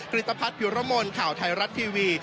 กริจพัฒน์พิวรมลข่าวไทยรัตทีวี